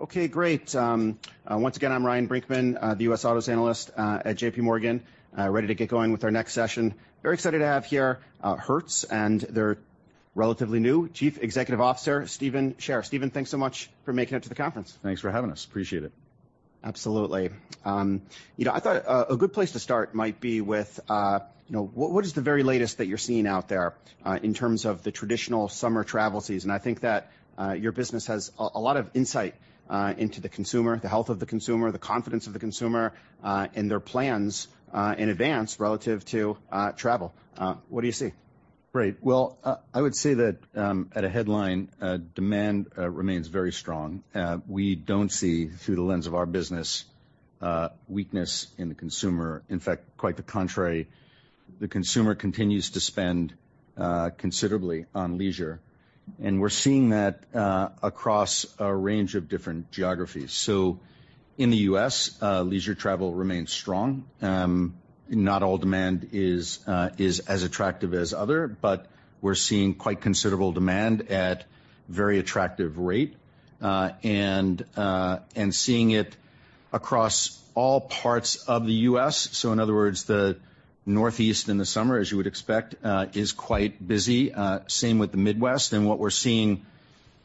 Okay, great. Once again, I'm Ryan Brinkman, the US Autos Analyst, at JPMorgan, ready to get going with our next session. Very excited to have here, Hertz and their relatively new Chief Executive Officer, Stephen Scherr. Stephen, thanks so much for making it to the conference. Thanks for having us. Appreciate it. Absolutely. You know, I thought, a good place to start might be with, you know, what, what is the very latest that you're seeing out there, in terms of the traditional summer travel season? I think that, your business has a, a lot of insight, into the consumer, the health of the consumer, the confidence of the consumer, and their plans, in advance relative to, travel. What do you see? Great. Well, I would say that, at a headline, demand remains very strong. We don't see, through the lens of our business, weakness in the consumer. In fact, quite the contrary. The consumer continues to spend considerably on leisure, and we're seeing that across a range of different geographies. In the U.S., leisure travel remains strong. Not all demand is as attractive as other, but we're seeing quite considerable demand at very attractive rate. Seeing it across all parts of the U.S. In other words, the Northeast in the summer, as you would expect, is quite busy. Same with the Midwest. What we're seeing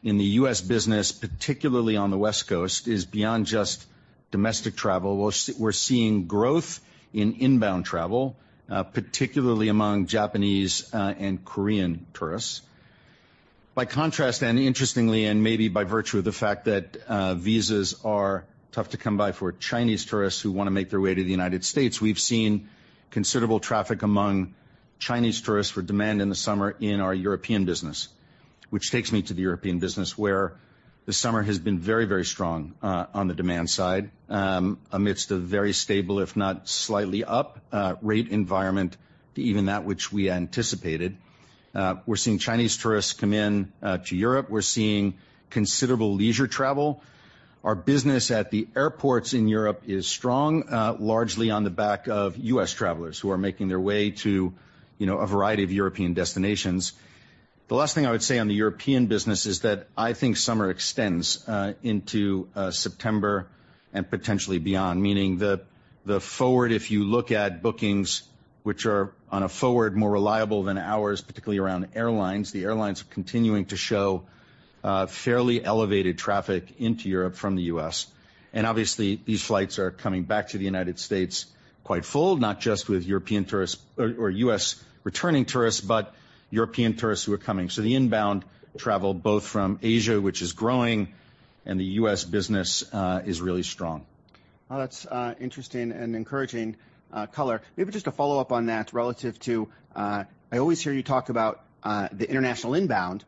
in the U.S. business, particularly on the West Coast, is beyond just domestic travel. We're we're seeing growth in inbound travel, particularly among Japanese and Korean tourists. By contrast, and interestingly, and maybe by virtue of the fact that visas are tough to come by for Chinese tourists who want to make their way to the United States, we've seen considerable traffic among Chinese tourists for demand in the summer in our European business. Which takes me to the European business, where the summer has been very, very strong on the demand side, amidst a very stable, if not slightly up, rate environment to even that which we anticipated. We're seeing Chinese tourists come in to Europe. We're seeing considerable leisure travel. Our business at the airports in Europe is strong, largely on the back of U.S. travelers who are making their way to, you know, a variety of European destinations. The last thing I would say on the European business is that I think summer extends into September and potentially beyond. Meaning the, the forward, if you look at bookings, which are on a forward more reliable than ours, particularly around airlines, the airlines are continuing to show fairly elevated traffic into Europe from the U.S. Obviously, these flights are coming back to the United States quite full, not just with European tourists or, or U.S. returning tourists, but European tourists who are coming. The inbound travel, both from Asia, which is growing, and the U.S. business is really strong. Well, that's interesting and encouraging color. Maybe just to follow up on that, relative to... I always hear you talk about the international inbound.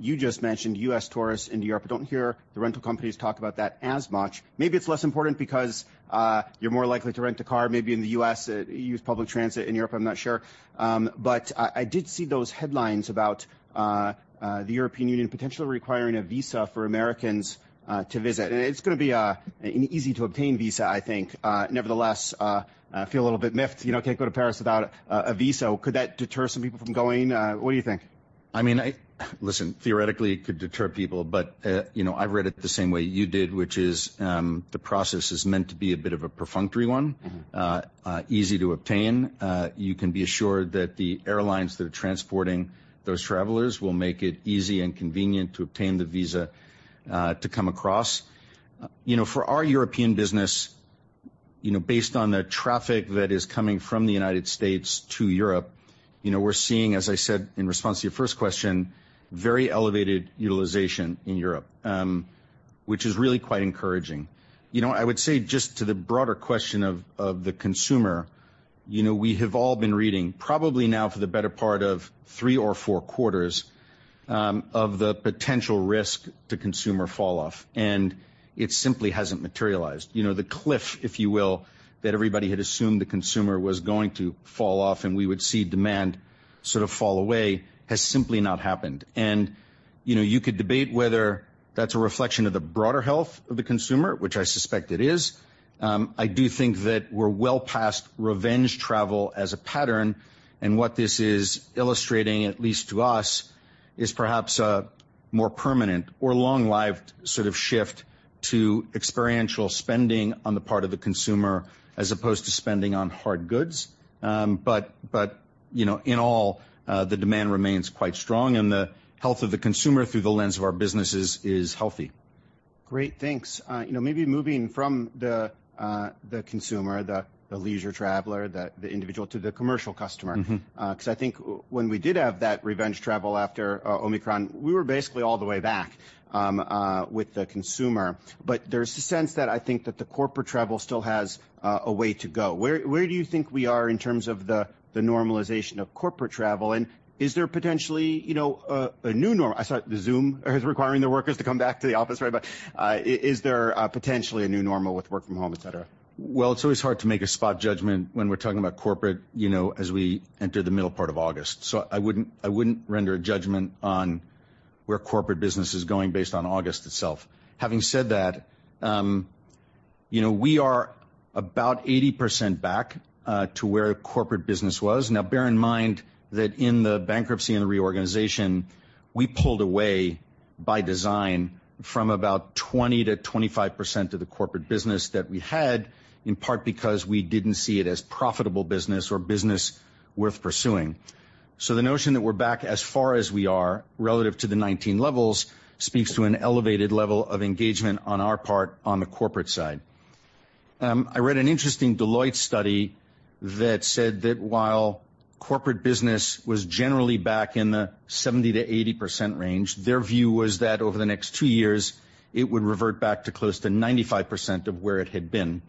You just mentioned U.S. tourists in Europe. I don't hear the rental companies talk about that as much. Maybe it's less important because you're more likely to rent a car, maybe in the U.S., use public transit in Europe, I'm not sure. I, I did see those headlines about the European Union potentially requiring a visa for Americans to visit. It's gonna be an easy to obtain visa, I think. Nevertheless, I feel a little bit miffed. You know, can't go to Paris without a visa. Could that deter some people from going? What do you think? I mean, Listen, theoretically, it could deter people, but, you know, I've read it the same way you did, which is, the process is meant to be a bit of a perfunctory one. Mm-hmm. Easy to obtain. You can be assured that the airlines that are transporting those travelers will make it easy and convenient to obtain the visa to come across. You know, for our European business, you know, based on the traffic that is coming from the United States to Europe, you know, we're seeing, as I said in response to your first question, very elevated utilization in Europe, which is really quite encouraging. You know, I would say just to the broader question of the consumer, you know, we have all been reading, probably now for the better part of three or four quarters, of the potential risk to consumer falloff, and it simply hasn't materialized. You know, the cliff, if you will, that everybody had assumed the consumer was going to fall off, and we would see demand sort of fall away, has simply not happened. You know, you could debate whether that's a reflection of the broader health of the consumer, which I suspect it is. I do think that we're well past revenge travel as a pattern, and what this is illustrating, at least to us, is perhaps a more permanent or long-lived sort of shift to experiential spending on the part of the consumer as opposed to spending on hard goods. You know, in all, the demand remains quite strong, and the health of the consumer through the lens of our businesses is healthy. Great, thanks. you know, maybe moving from the, the consumer, the, the leisure traveler, the, the individual to the commercial customer. Mm-hmm. Because I think when we did have that revenge travel after Omicron, we were basically all the way back with the consumer. There's a sense that I think that the corporate travel still has a way to go. Where, where do you think we are in terms of the normalization of corporate travel? Is there potentially, you know, a new norm? I saw the Zoom is requiring their workers to come back to the office, right? Is there potentially a new normal with work from home, et cetera? It's always hard to make a spot judgment when we're talking about corporate, you know, as we enter the middle part of August. I wouldn't, I wouldn't render a judgment on where corporate business is going based on August itself. Having said that, you know, we are about 80% back to where corporate business was. Bear in mind that in the bankruptcy and the reorganization, we pulled away by design from about 20%-25% of the corporate business that we had, in part because we didn't see it as profitable business or business worth pursuing. The notion that we're back as far as we are relative to the 2019 levels, speaks to an elevated level of engagement on our part on the corporate side. I read an interesting Deloitte study that said that while corporate business was generally back in the 70%-80% range, their view was that over the next two years, it would revert back to close to 95% of where it had been.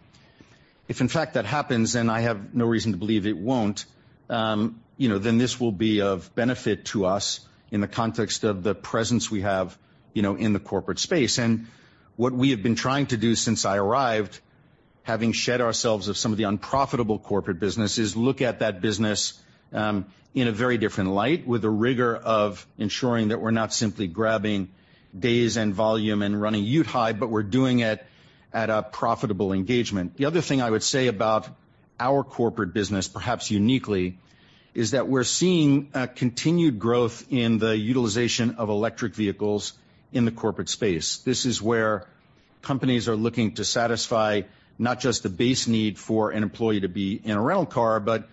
If, in fact, that happens, and I have no reason to believe it won't, you know, then this will be of benefit to us in the context of the presence we have, you know, in the corporate space. What we have been trying to do since I arrived, having shed ourselves of some of the unprofitable corporate business, is look at that business in a very different light, with the rigor of ensuring that we're not simply grabbing days and volume and running youth high, but we're doing it at a profitable engagement. The other thing I would say about our corporate business, perhaps uniquely, is that we're seeing a continued growth in the utilization of electric vehicles in the corporate space. This is where companies are looking to satisfy not just the base need for an employee to be in a rental car, but,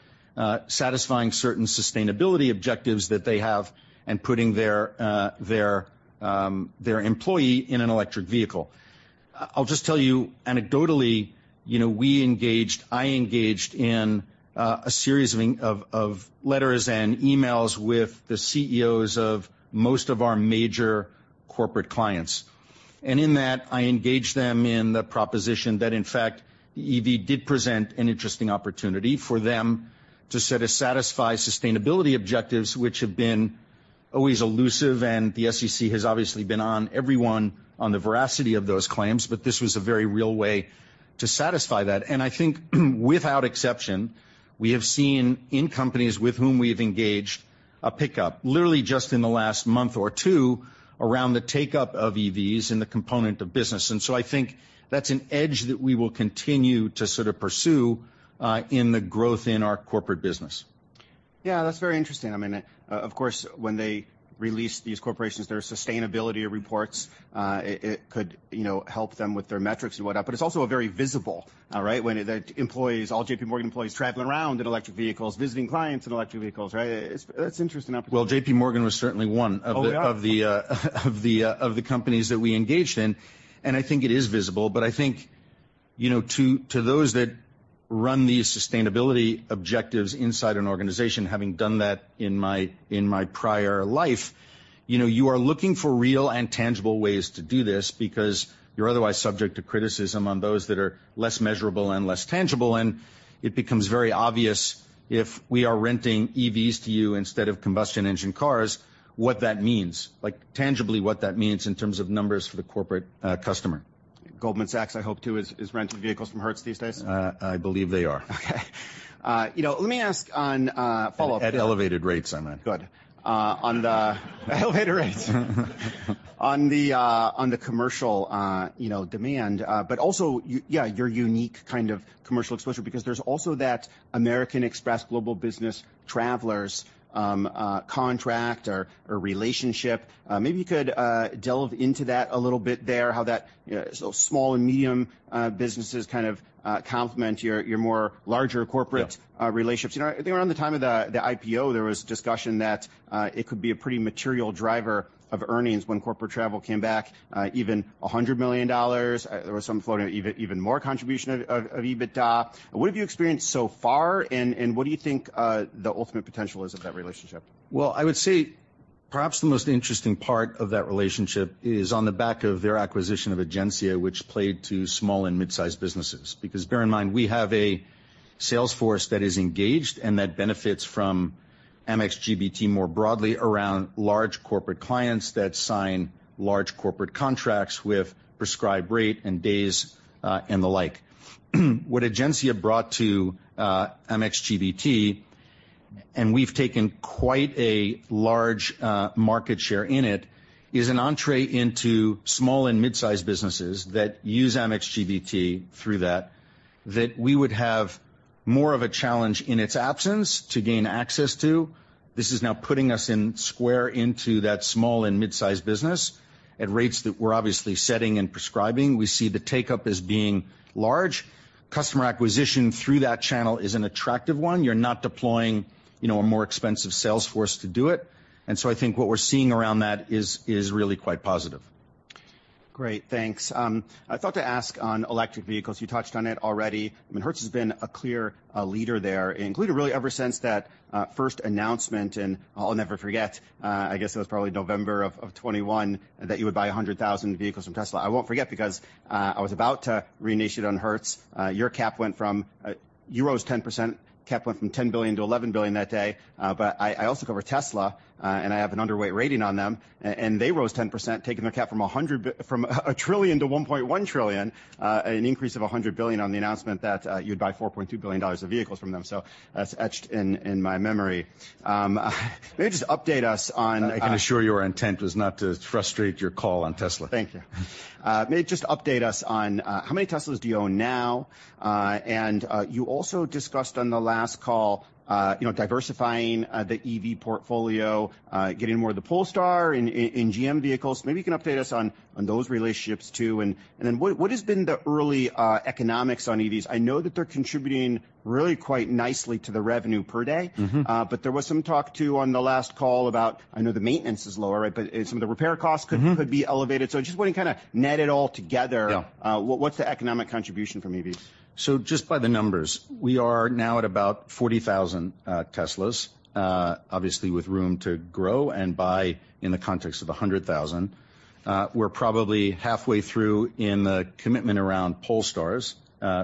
satisfying certain sustainability objectives that they have and putting their, their employee in an electric vehicle. I'll just tell you anecdotally, you know, we engaged-- I engaged in a series of letters and emails with the CEOs of most of our major corporate clients. In that, I engaged them in the proposition that, in fact, EV did present an interesting opportunity for them to sort of satisfy sustainability objectives, which have been always elusive, and the SEC has obviously been on everyone on the veracity of those claims. This was a very real way to satisfy that. I think, without exception, we have seen in companies with whom we've engaged, a pickup, literally just in the last month or two around the take-up of EVs and the component of business. I think that's an edge that we will continue to sort of pursue, in the growth in our corporate business. Yeah, that's very interesting. I mean, of course, when they release these corporations, their sustainability reports, it, it could, you know, help them with their metrics and what not. It's also a very visible, right? When the employees, all JPMorgan employees, traveling around in electric vehicles, visiting clients in electric vehicles, right? That's interesting opportunity. Well, JPMorgan was certainly one- Oh, yeah. of the, of the, of the companies that we engaged in, and I think it is visible. I think, you know, to, to those that run these sustainability objectives inside an organization, having done that in my, in my prior life, you know, you are looking for real and tangible ways to do this because you're otherwise subject to criticism on those that are less measurable and less tangible. It becomes very obvious if we are renting EVs to you instead of combustion engine cars, what that means, like tangibly what that means in terms of numbers for the corporate customer. Goldman Sachs, I hope, too, is, is renting vehicles from Hertz these days? I believe they are. Okay. You know, let me ask on. Follow-up. At elevated rates, I meant. Good. Elevated rates. On the commercial, you know, demand, but also yeah, your unique kind of commercial exposure, because there's also that American Express Global Business Travel contract or relationship. Maybe you could delve into that a little bit there, how that, you know, so small and medium businesses kind of complement your more larger corporate- relationships. You know, I think around the time of the, the IPO, there was discussion that, it could be a pretty material driver of earnings when corporate travel came back, even $100 million. There was some floating, even, even more contribution of, of, of EBITDA. What have you experienced so far, and, and what do you think, the ultimate potential is of that relationship? Well, I would say perhaps the most interesting part of that relationship is on the back of their acquisition of Egencia, which played to small and mid-sized businesses. Bear in mind, we have a sales force that is engaged and that benefits from Amex GBT more broadly around large corporate clients that sign large corporate contracts with prescribed rate and days and the like. What Egencia brought to Amex GBT, and we've taken quite a large market share in it, is an entrée into small and mid-sized businesses that use Amex GBT through that, that we would have more of a challenge in its absence to gain access to. This is now putting us in square into that small and mid-sized business at rates that we're obviously setting and prescribing. We see the take-up as being large. Customer acquisition through that channel is an attractive one. You're not deploying, you know, a more expensive sales force to do it. I think what we're seeing around that is, is really quite positive. Great, thanks. I thought to ask on electric vehicles, you touched on it already. I mean, Hertz has been a clear leader there, including really ever since that first announcement in, I'll never forget, I guess it was probably November 2021, that you would buy 100,000 vehicles from Tesla. I won't forget because, I was about to reinitiate on Hertz. Your cap went from, you rose 10%, cap went from $10 billion-$11 billion that day. I, I also cover Tesla, and I have an underweight rating on them, and they rose 10%, taking their cap from a trillion to $1.1 trillion, an increase of $100 billion on the announcement that you'd buy $4.2 billion of vehicles from them. That's etched in, in my memory. May I just update us on. I can assure your intent was not to frustrate your call on Tesla. Thank you. May you just update us on how many Tesla do you own now? You also discussed on the last call, you know, diversifying the EV portfolio, getting more of the Polestar in GM vehicles. Maybe you can update us on those relationships too. Then what, what has been the early economics on EVs? I know that they're contributing really quite nicely to the revenue per day. Mm-hmm. There was some talk, too, on the last call about I know the maintenance is lower, right, but some of the repair costs. Mm-hmm. could, could be elevated. I just want to kind of net it all together. Yeah. What, what's the economic contribution from EVs? Just by the numbers, we are now at about 40,000 Tesla, obviously with room to grow and buy in the context of 100,000. We're probably halfway through in the commitment around Polestars,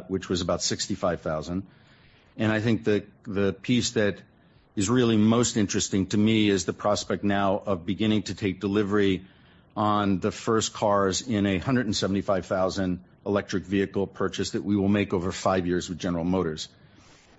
which was about 65,000. I think the, the piece that is really most interesting to me is the prospect now of beginning to take delivery on the first cars in a 175,000 electric vehicle purchase that we will make over five years with General Motors.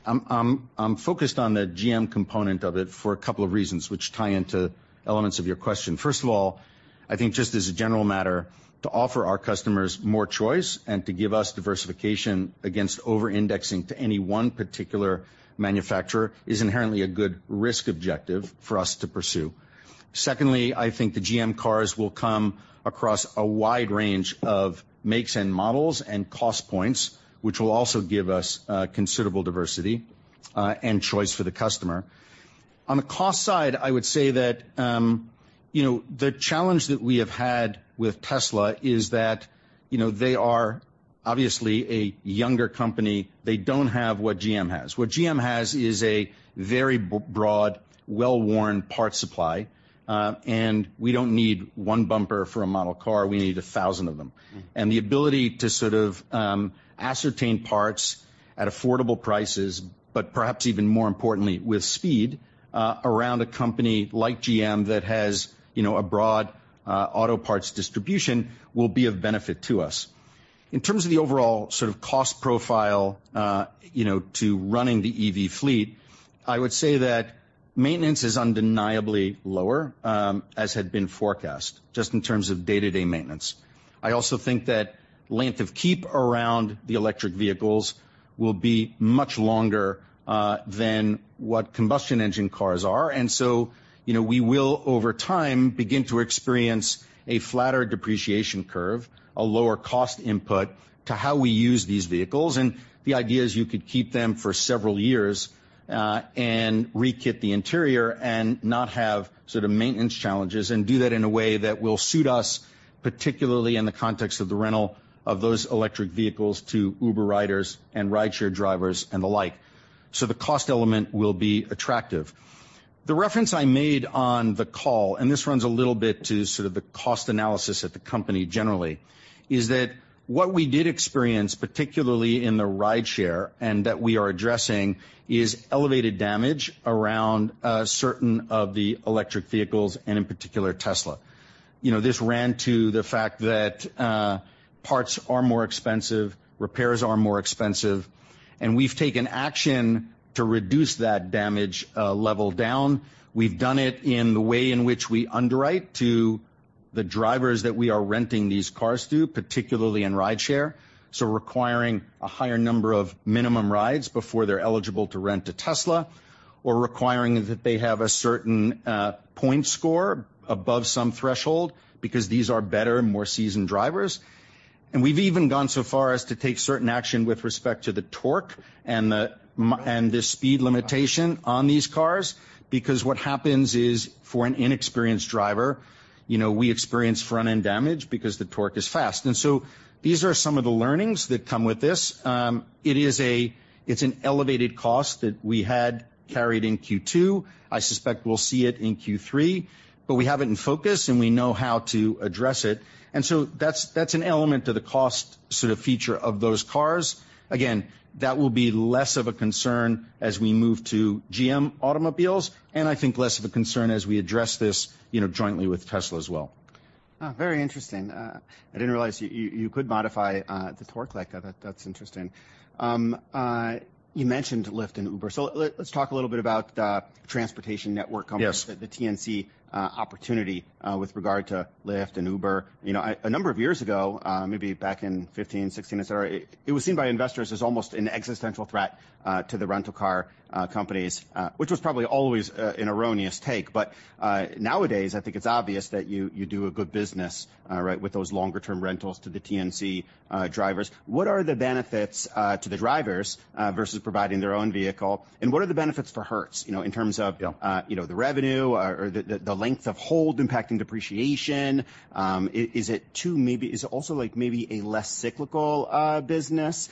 I'm, I'm, I'm focused on the GM component of it for a couple of reasons, which tie into elements of your question. First of all, I think just as a general matter, to offer our customers more choice and to give us diversification against over-indexing to any one particular manufacturer is inherently a good risk objective for us to pursue. Secondly, I think the GM cars will come across a wide range of makes and models and cost points, which will also give us considerable diversity and choice for the customer. On the cost side, I would say that, you know, the challenge that we have had with Tesla is that, you know, they are obviously a younger company. They don't have what GM has. What GM has is a very broad, well-worn parts supply. We don't need one bumper for a model car, we need 1,000 of them. Mm-hmm. The ability to sort of ascertain parts at affordable prices, but perhaps even more importantly, with speed, around a company like GM that has, you know, a broad auto parts distribution, will be of benefit to us. In terms of the overall sort of cost profile, you know, to running the EV fleet, I would say that maintenance is undeniably lower, as had been forecast, just in terms of day-to-day maintenance. I also think that length of keep around the electric vehicles will be much longer than what combustion engine cars are. You know, we will, over time, begin to experience a flatter depreciation curve, a lower cost input to how we use these vehicles. The idea is you could keep them for several years, and rekit the interior and not have sort of maintenance challenges, and do that in a way that will suit us, particularly in the context of the rental of those electric vehicles to Uber riders and rideshare drivers and the like. The cost element will be attractive. The reference I made on the call, and this runs a little bit to sort of the cost analysis at the company generally, is that what we did experience, particularly in the rideshare and that we are addressing, is elevated damage around certain of the electric vehicles and in particular, Tesla. You know, this ran to the fact that parts are more expensive, repairs are more expensive, and we've taken action to reduce that damage level down. We've done it in the way in which we underwrite to the drivers that we are renting these cars to, particularly in rideshare. Requiring a higher number of minimum rides before they're eligible to rent a Tesla, or requiring that they have a certain point score above some threshold, because these are better and more seasoned drivers. We've even gone so far as to take certain action with respect to the torque and the speed limitation on these cars, because what happens is, for an inexperienced driver, you know, we experience front-end damage because the torque is fast. These are some of the learnings that come with this. It's an elevated cost that we had carried in Q2. I suspect we'll see it in Q3, but we have it in focus and we know how to address it. So that's, that's an element to the cost sort of feature of those cars. Again, that will be less of a concern as we move to GM automobiles, and I think less of a concern as we address this, you know, jointly with Tesla as well. Very interesting. I didn't realize you, you, you could modify the torque like that. That's interesting. You mentioned Lyft and Uber. Let's talk a little bit about transportation network companies. Yes. the TNC opportunity with regard to Lyft and Uber. You know, a number of years ago, maybe back in 15, 16, et cetera, it was seen by investors as almost an existential threat. To the rental car companies, which was probably always an erroneous take. Nowadays, I think it's obvious that you do a good business, right, with those longer term rentals to the TNC drivers. What are the benefits to the drivers versus providing their own vehicle? What are the benefits for Hertz, you know, in terms of, you know, the revenue or the length of hold impacting depreciation? Is it also, like, maybe a less cyclical business?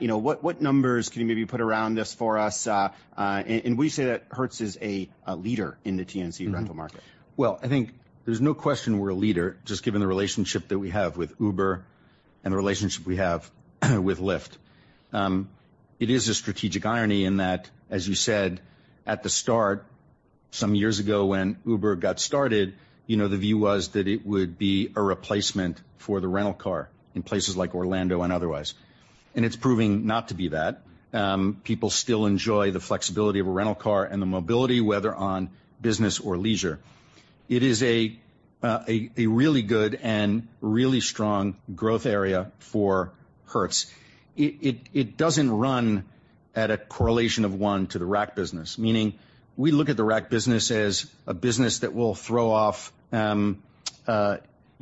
You know, what, what numbers can you maybe put around this for us? We say that Hertz is a, a leader in the TNC rental market. I think there's no question we're a leader, just given the relationship that we have with Uber and the relationship we have with Lyft. It is a strategic irony in that, as you said at the start, some years ago when Uber got started, you know, the view was that it would be a replacement for the rental car in places like Orlando and otherwise, and it's proving not to be that. People still enjoy the flexibility of a rental car and the mobility, whether on business or leisure. It is a really good and really strong growth area for Hertz. It doesn't run at a correlation of one to the rack business, meaning we look at the rack business as a business that will throw off, you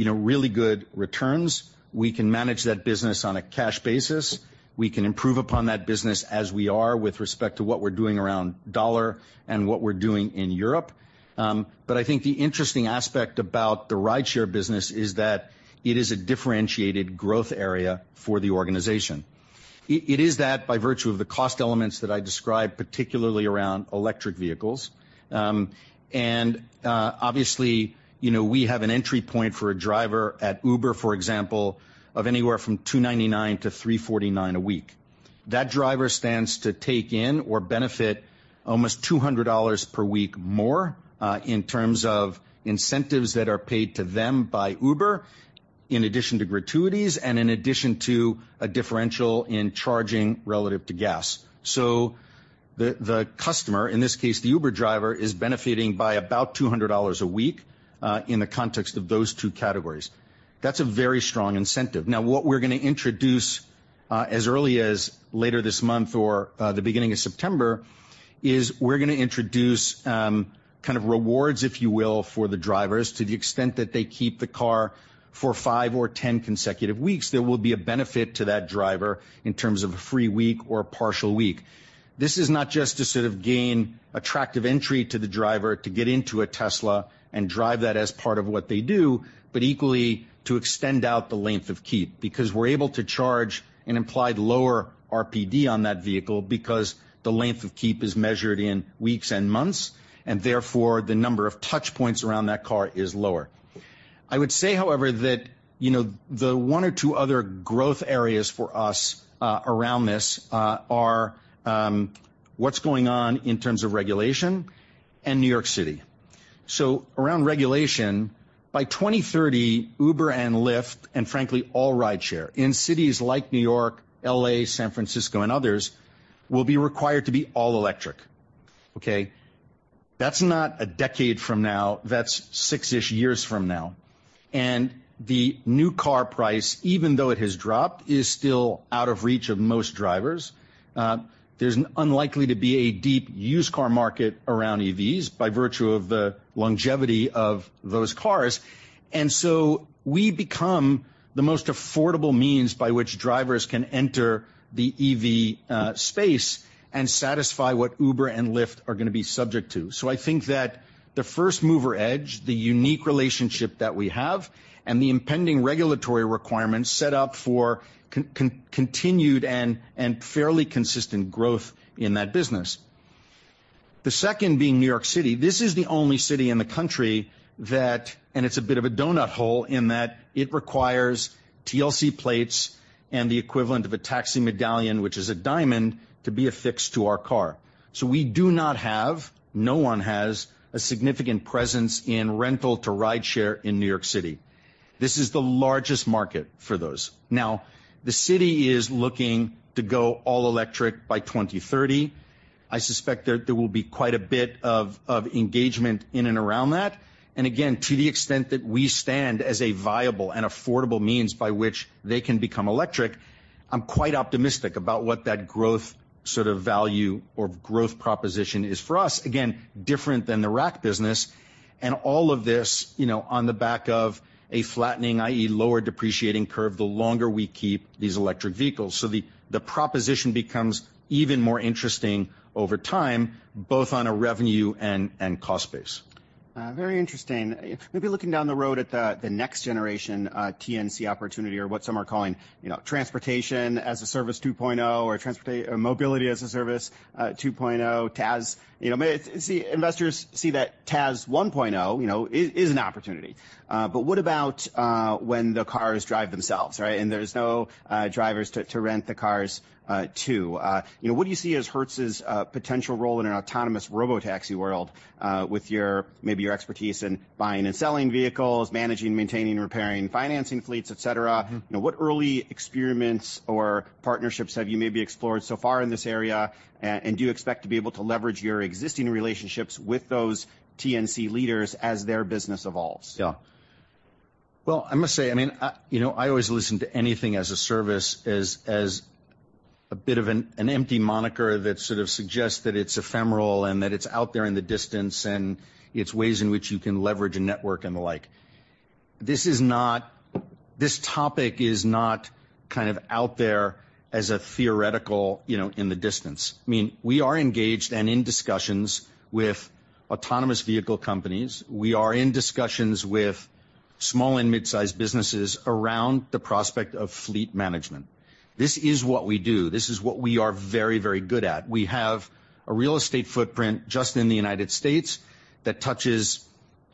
know, really good returns. We can manage that business on a cash basis. We can improve upon that business as we are with respect to what we're doing around Dollar and what we're doing in Europe. I think the interesting aspect about the rideshare business is that it is a differentiated growth area for the organization. It, it is that by virtue of the cost elements that I described, particularly around electric vehicles. Obviously, you know, we have an entry point for a driver at Uber, for example, of anywhere from $299 to $349 a week. That driver stands to take in or benefit almost $200 per week more in terms of incentives that are paid to them by Uber, in addition to gratuities and in addition to a differential in charging relative to gas. The customer, in this case, the Uber driver, is benefiting by about $200 a week, in the context of those two categories. That's a very strong incentive. Now, what we're gonna introduce, as early as later this month or the beginning of September, is we're gonna introduce kind of rewards, if you will, for the drivers. To the extent that they keep the car for five or 10 consecutive weeks, there will be a benefit to that driver in terms of a free week or a partial week. This is not just to sort of gain attractive entry to the driver to get into a Tesla and drive that as part of what they do, but equally to extend out the length of keep. Because we're able to charge an implied lower RPD on that vehicle because the length of keep is measured in weeks and months, and therefore, the number of touch points around that car is lower. I would say, however, that, you know, the one or two other growth areas for us around this are what's going on in terms of regulation and New York City. Around regulation, by 2030, Uber and Lyft, and frankly, all rideshare in cities like New York, L.A., San Francisco, and others, will be required to be all electric, okay? That's not a decade from now. That's six-ish years from now. The new car price, even though it has dropped, is still out of reach of most drivers. There's unlikely to be a deep used car market around EVs by virtue of the longevity of those cars. So we become the most affordable means by which drivers can enter the EV space and satisfy what Uber and Lyft are gonna be subject to. I think that the first mover edge, the unique relationship that we have, and the impending regulatory requirements set up for continued and fairly consistent growth in that business. The second being New York City. This is the only city in the country that... and it's a bit of a donut hole, in that it requires TLC plates and the equivalent of a taxi medallion, which is a diamond, to be affixed to our car. We do not have, no one has, a significant presence in rental to rideshare in New York City. This is the largest market for those. The city is looking to go all electric by 2030. I suspect there, there will be quite a bit of, of engagement in and around that. Again, to the extent that we stand as a viable and affordable means by which they can become electric, I'm quite optimistic about what that growth sort of value or growth proposition is for us. Again, different than the rack business and all of this, you know, on the back of a flattening, i.e., lower depreciating curve, the longer we keep these electric vehicles. The, the proposition becomes even more interesting over time, both on a revenue and, and cost base. Very interesting. Maybe looking down the road at the, the next generation, TNC opportunity or what some are calling, you know, Transportation as a Service 2.0, or Mobility as a Service, 2.0, TaaS. You know, see, investors see that TaaS 1.0, you know, is, is an opportunity. What about, when the cars drive themselves, right, and there's no, drivers to, to rent the cars, to? You know, what do you see as Hertz's, potential role in an autonomous robotaxi world, with your, maybe your expertise in buying and selling vehicles, managing, maintaining, repairing, financing fleets, et cetera? Mm-hmm. You know, what early experiments or partnerships have you maybe explored so far in this area, and do you expect to be able to leverage your existing relationships with those TNC leaders as their business evolves? Well, I must say, I mean, I, you know, I always listen to anything as a service, as, as a bit of an, an empty moniker that sort of suggests that it's ephemeral and that it's out there in the distance, and it's ways in which you can leverage a network and the like. This topic is not kind of out there as a theoretical, you know, in the distance. I mean, we are engaged and in discussions with autonomous vehicle companies. We are in discussions with small and mid-sized businesses around the prospect of fleet management. This is what we do. This is what we are very, very good at. We have a real estate footprint just in the United States that touches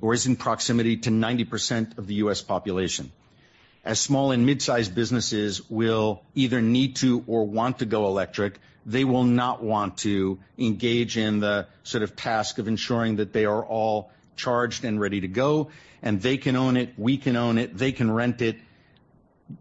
or is in proximity to 90% of the U.S. population. As small and mid-sized businesses will either need to or want to go electric, they will not want to engage in the sort of task of ensuring that they are all charged and ready to go, and they can own it, we can own it, they can rent it.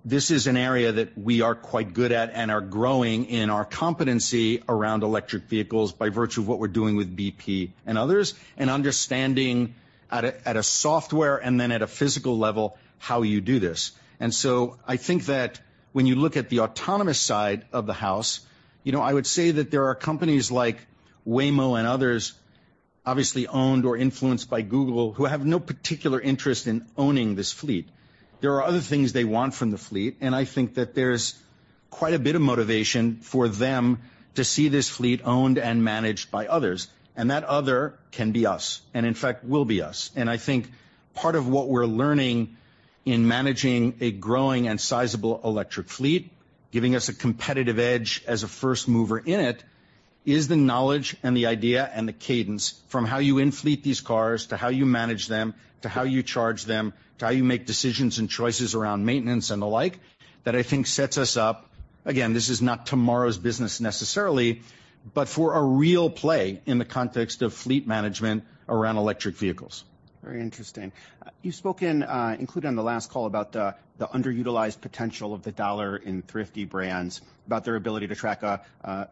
This is an area that we are quite good at and are growing in our competency around electric vehicles by virtue of what we're doing with BP and others, and understanding at a, at a software and then at a physical level, how you do this. So I think that when you look at the autonomous side of the house, you know, I would say that there are companies like Waymo and others, obviously owned or influenced by Google, who have no particular interest in owning this fleet. There are other things they want from the fleet. I think that there's quite a bit of motivation for them to see this fleet owned and managed by others, and that other can be us, and in fact, will be us. I think part of what we're learning in managing a growing and sizable electric fleet, giving us a competitive edge as a first mover in it, is the knowledge and the idea and the cadence from how you in-fleet these cars, to how you manage them, to how you charge them, to how you make decisions and choices around maintenance and the like, that I think sets us up. Again, this is not tomorrow's business necessarily, but for a real play in the context of fleet management around electric vehicles. Very interesting. You've spoken, including on the last call, about the, the underutilized potential of the Dollar in Thrifty brands, about their ability to track a,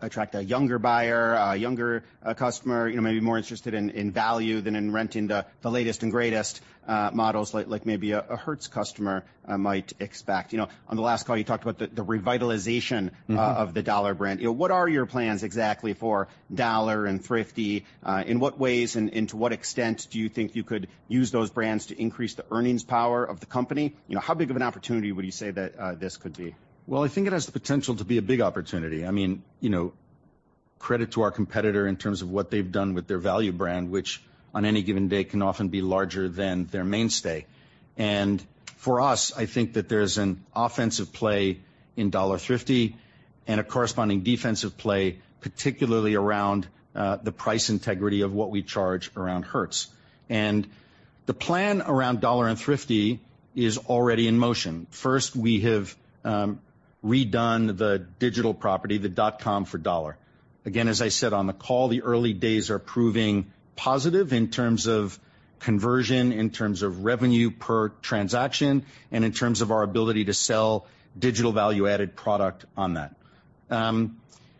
attract a younger buyer, a younger, customer, you know, maybe more interested in, in value than in renting the, the latest and greatest, models, like, like maybe a, a Hertz customer, might expect. You know, on the last call, you talked about the, the revitalization- Mm-hmm. of the Dollar brand. You know, what are your plans exactly for Dollar and Thrifty? In what ways and, and to what extent do you think you could use those brands to increase the earnings power of the company? You know, how big of an opportunity would you say that, this could be? Well, I think it has the potential to be a big opportunity. I mean, you know, credit to our competitor in terms of what they've done with their value brand, which on any given day, can often be larger than their mainstay. For us, I think that there's an offensive play in Dollar Thrifty and a corresponding defensive play, particularly around the price integrity of what we charge around Hertz. The plan around Dollar and Thrifty is already in motion. First, we have redone the digital property, the dot com for Dollar. Again, as I said on the call, the early days are proving positive in terms of conversion, in terms of revenue per transaction, and in terms of our ability to sell digital value-added product on that.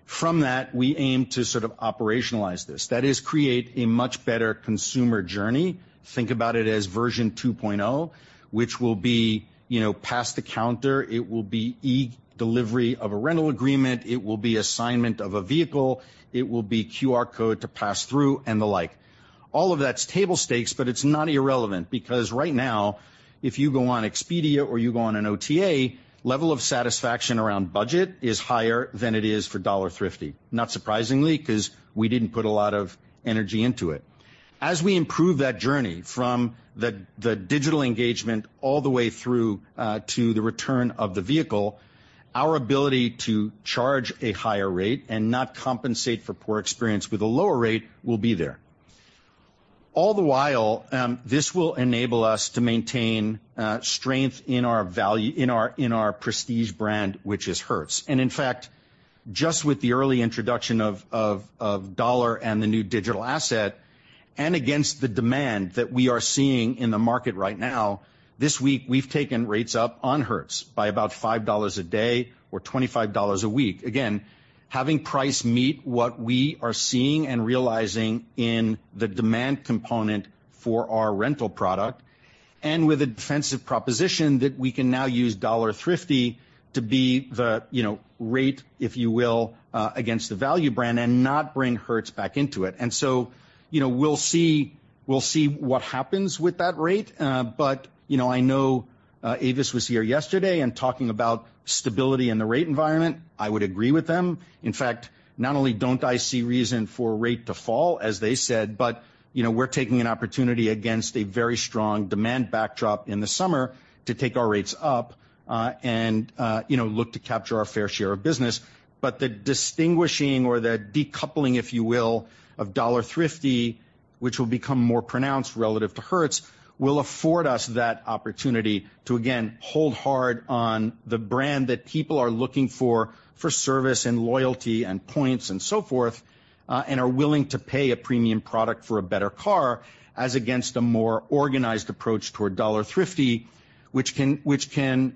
From that, we aim to sort of operationalize this. That is, create a much better consumer journey. Think about it as version 2.0, which will be, you know, past the counter. It will be e-delivery of a rental agreement, it will be assignment of a vehicle, it will be QR code to pass through and the like. All of that's table stakes, but it's not irrelevant, because right now, if you go on Expedia or you go on an OTA, level of satisfaction around Budget is higher than it is for Dollar Thrifty. Not surprisingly, 'cause we didn't put a lot of energy into it. As we improve that journey from the digital engagement all the way through to the return of the vehicle, our ability to charge a higher rate and not compensate for poor experience with a lower rate will be there. All the while, this will enable us to maintain strength in our value, in our, in our prestige brand, which is Hertz. In fact, just with the early introduction of, of, of Dollar and the new digital asset, and against the demand that we are seeing in the market right now, this week, we've taken rates up on Hertz by about $5 a day or $25 a week. Again, having price meet what we are seeing and realizing in the demand component for our rental product, and with a defensive proposition that we can now use Dollar Thrifty to be the, you know, rate, if you will, against the value brand and not bring Hertz back into it. You know, we'll see, we'll see what happens with that rate. You know, I know, Avis was here yesterday and talking about stability in the rate environment. I would agree with them. In fact, not only don't I see reason for rate to fall, as they said, but, you know, we're taking an opportunity against a very strong demand backdrop in the summer to take our rates up, and, you know, look to capture our fair share of business. The distinguishing or the decoupling, if you will, of Dollar Thrifty, which will become more pronounced relative to Hertz, will afford us that opportunity to again, hold hard on the brand that people are looking for, for service and loyalty and points and so forth, and are willing to pay a premium product for a better car, as against a more organized approach toward Dollar Thrifty, which can, which can...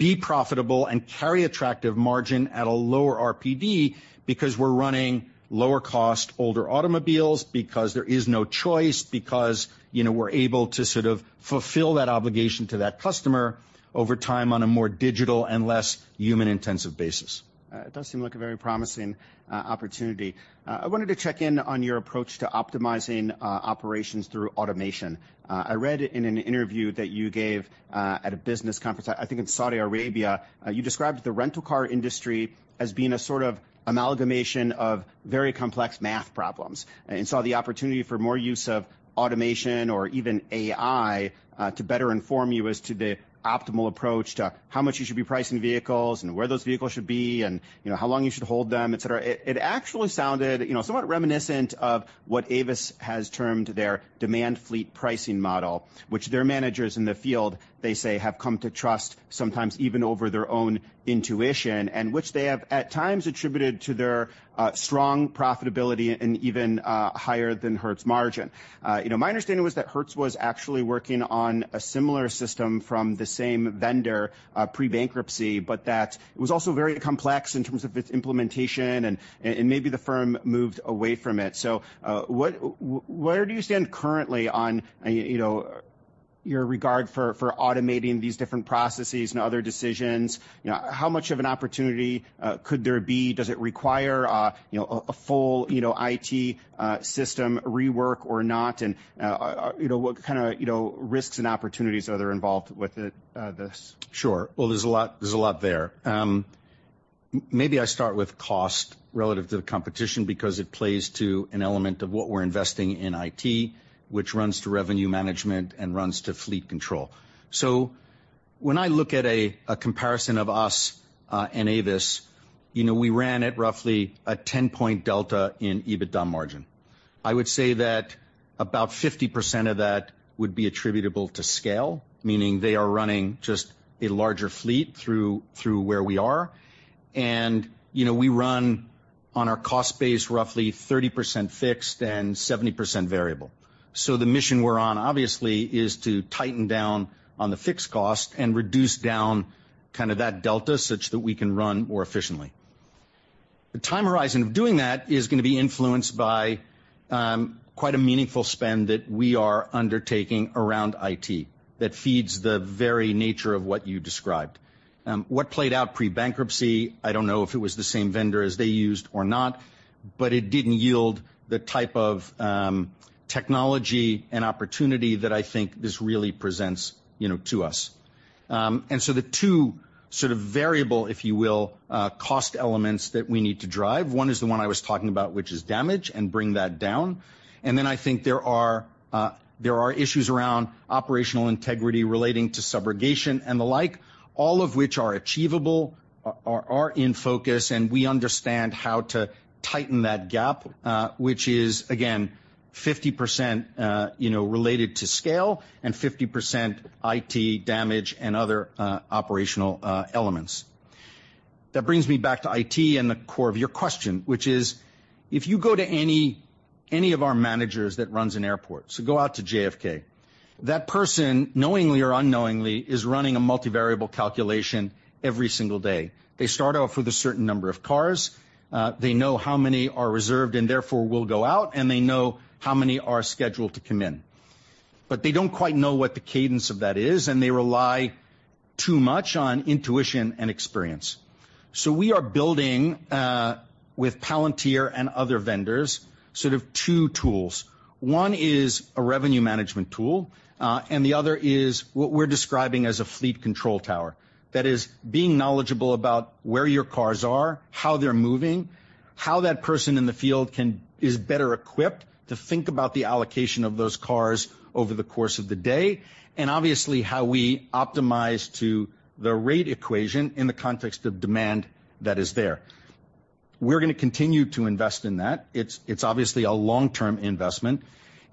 be profitable and carry attractive margin at a lower RPD because we're running lower cost, older automobiles, because there is no choice, because, you know, we're able to sort of fulfill that obligation to that customer over time on a more digital and less human-intensive basis. It does seem like a very promising opportunity. I wanted to check in on your approach to optimizing operations through automation. I read in an interview that you gave at a business conference, I, I think in Saudi Arabia, you described the rental car industry as being a sort of amalgamation of very complex math problems, and saw the opportunity for more use of automation or even AI, to better inform you as to the optimal approach to how much you should be pricing vehicles and where those vehicles should be, and, you know, how long you should hold them, et cetera. It, it actually sounded, you know, somewhat reminiscent of what Avis has termed their demand fleet pricing model, which their managers in the field, they say, have come to trust, sometimes even over their own intuition, and which they have, at times, attributed to their strong profitability and even higher than Hertz margin. You know, my understanding was that Hertz was actually working on a similar system from the same vendor, pre-bankruptcy, but that it was also very complex in terms of its implementation and, and maybe the firm moved away from it. So, where do you stand currently on, you, you know, your regard for, for automating these different processes and other decisions? You know, how much of an opportunity could there be? Does it require, you know, a, a full, you know, IT system rework or not? You know, what kind of, you know, risks and opportunities are there involved with it, this? Sure. Well, there's a lot, there's a lot there. Maybe I start with cost relative to the competition, because it plays to an element of what we're investing in IT, which runs to revenue management and runs to fleet control. So when I look at a, a comparison of us, and Avis, you know, we ran at roughly a 10-point delta in EBITDA margin. I would say that about 50% of that would be attributable to scale, meaning they are running just a larger fleet through, through where we are. And, you know, we run on our cost base roughly 30% fixed and 70% variable. So the mission we're on, obviously, is to tighten down on the fixed cost and reduce down kind of that delta such that we can run more efficiently. The time horizon of doing that is going to be influenced by, quite a meaningful spend that we are undertaking around IT that feeds the very nature of what you described. What played out pre-bankruptcy, I don't know if it was the same vendor as they used or not, but it didn't yield the type of technology and opportunity that I think this really presents, you know, to us. The two sort of variable, if you will, cost elements that we need to drive, one is the one I was talking about, which is damage, and bring that down. I think there are issues around operational integrity relating to subrogation and the like, all of which are achievable, are in focus, and we understand how to tighten that gap, which is, again, 50%, you know, related to scale and 50% IT damage and other operational elements. That brings me back to IT and the core of your question, which is, if you go to any, any of our managers that runs an airport, so go out to JFK, that person, knowingly or unknowingly, is running a multivariable calculation every single day. They start off with a certain number of cars, they know how many are reserved and therefore will go out, and they know how many are scheduled to come in. They don't quite know what the cadence of that is, and they rely too much on intuition and experience. We are building with Palantir and other vendors, sort of two tools. One is a revenue management tool, and the other is what we're describing as a fleet control tower. That is, being knowledgeable about where your cars are, how they're moving, how that person in the field is better equipped to think about the allocation of those cars over the course of the day, and obviously, how we optimize to the rate equation in the context of demand that is there. We're going to continue to invest in that. It's obviously a long-term investment.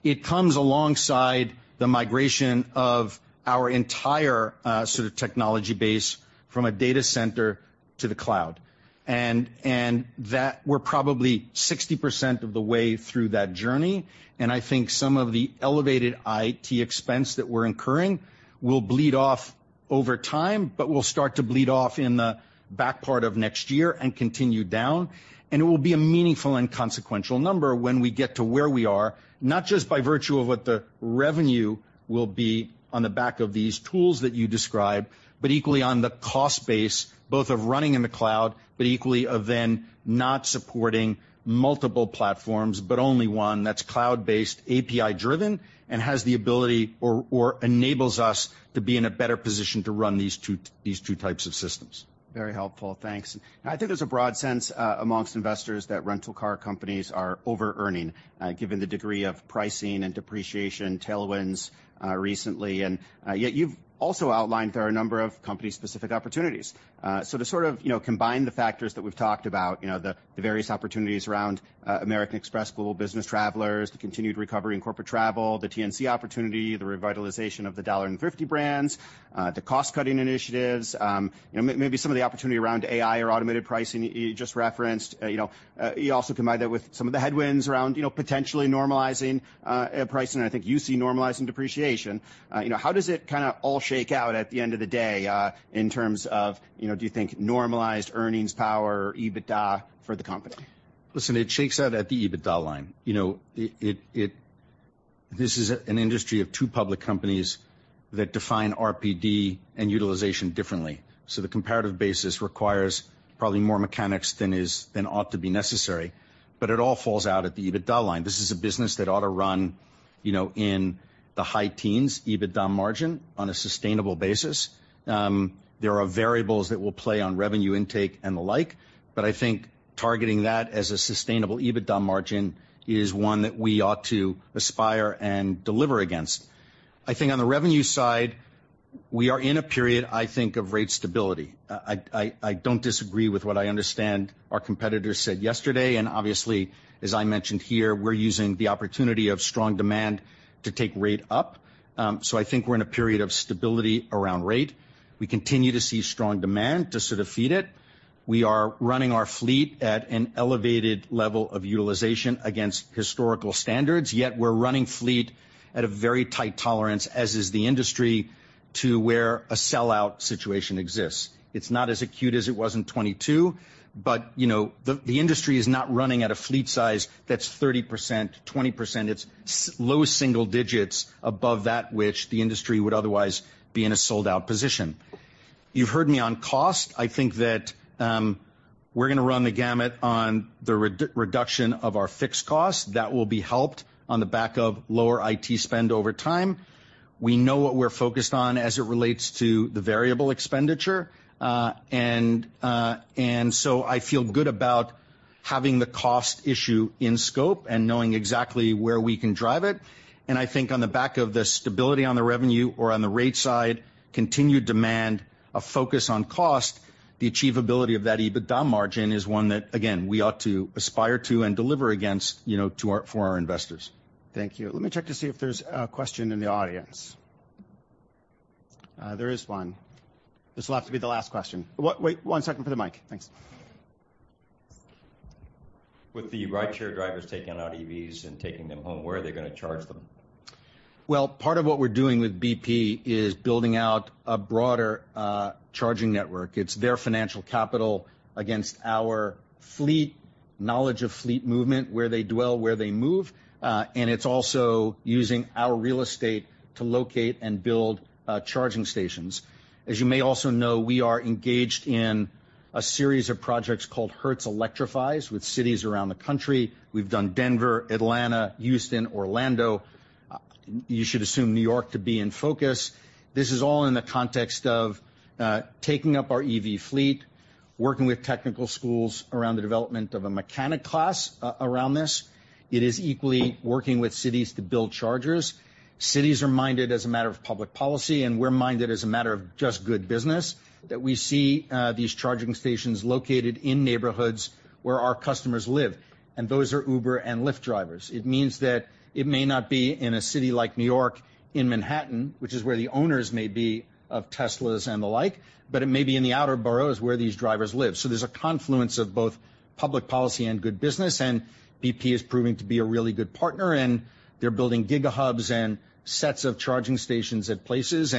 It comes alongside the migration of our entire sort of technology base from a data center to the cloud. That, we're probably 60% of the way through that journey, and I think some of the elevated IT expense that we're incurring will bleed off over time, but will start to bleed off in the back part of next year and continue down. It will be a meaningful and consequential number when we get to where we are, not just by virtue of what the revenue will be on the back of these tools that you describe, but equally on the cost base, both of running in the cloud, but equally of then not supporting multiple platforms, but only one that's cloud-based, API-driven, and has the ability or enables us to be in a better position to run these two, these two types of systems. Very helpful. Thanks. I think there's a broad sense amongst investors that rental car companies are overearning, given the degree of pricing and depreciation tailwinds, recently. Yet you've also outlined there are a number of company-specific opportunities. So to sort of, you know, combine the factors that we've talked about, you know, the, the various opportunities around American Express, global business travelers, the continued recovery in corporate travel, the TNC opportunity, the revitalization of the Dollar and Thrifty brands, the cost-cutting initiatives, maybe some of the opportunity around AI or automated pricing you just referenced. You know, you also combined that with some of the headwinds around, you know, potentially normalizing, pricing. I think you see normalizing depreciation. You know, how does it kind of all shake out at the end of the day, in terms of, you know, do you think normalized earnings power or EBITDA for the company? Listen, it shakes out at the EBITDA line. You know, it, it, this is an industry of two public companies that define RPD and utilization differently. The comparative basis requires probably more mechanics than is, than ought to be necessary, but it all falls out at the EBITDA line. This is a business that ought to run, you know, in the high teens EBITDA margin on a sustainable basis. There are variables that will play on revenue intake and the like, but I think targeting that as a sustainable EBITDA margin is one that we ought to aspire and deliver against. I think on the revenue side, we are in a period, I think, of rate stability. I, I, I don't disagree with what I understand our competitors said yesterday. Obviously, as I mentioned here, we're using the opportunity of strong demand to take rate up. I think we're in a period of stability around rate. We continue to see strong demand to sort of feed it. We are running our fleet at an elevated level of utilization against historical standards, yet we're running fleet at a very tight tolerance, as is the industry, to where a sellout situation exists. It's not as acute as it was in 2022. You know, the industry is not running at a fleet size that's 30%, 20%. It's low single digits above that which the industry would otherwise be in a sold-out position. You've heard me on cost. I think that we're going to run the gamut on the reduction of our fixed costs. That will be helped on the back of lower IT spend over time. We know what we're focused on as it relates to the variable expenditure, and so I feel good about having the cost issue in scope and knowing exactly where we can drive it. I think on the back of the stability on the revenue or on the rate side, continued demand, a focus on cost, the achievability of that EBITDA margin is one that, again, we ought to aspire to and deliver against, you know, for our investors. Thank you. Let me check to see if there's a question in the audience. There is one. This will have to be the last question. Wait one second for the mic. Thanks. With the rideshare drivers taking out EVs and taking them home, where are they going to charge them? Well, part of what we're doing with BP is building out a broader charging network. It's their financial capital against our fleet, knowledge of fleet movement, where they dwell, where they move, and it's also using our real estate to locate and build charging stations. As you may also know, we are engaged in a series of projects called Hertz Electrifies with cities around the country. We've done Denver, Atlanta, Houston, Orlando. You should assume New York to be in focus. This is all in the context of taking up our EV fleet, working with technical schools around the development of a mechanic class around this. It is equally working with cities to build chargers. Cities are minded as a matter of public policy, and we're minded as a matter of just good business, that we see these charging stations located in neighborhoods where our customers live, and those are Uber and Lyft drivers. It means that it may not be in a city like New York, in Manhattan, which is where the owners may be of Tesla and the like, but it may be in the outer boroughs, where these drivers live. There's a confluence of both public policy and good business. BP is proving to be a really good partner, and they're building GigaHubs and sets of charging stations at places.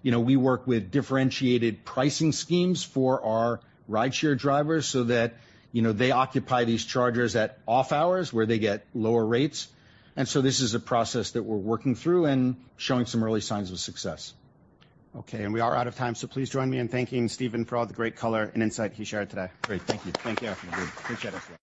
You know, we work with differentiated pricing schemes for our rideshare drivers so that, you know, they occupy these chargers at off hours, where they get lower rates. This is a process that we're working through and showing some early signs of success. Okay, we are out of time. Please join me in thanking Stephen for all the great color and insight he shared today. Great. Thank you. Thank you, everyone. Appreciate it.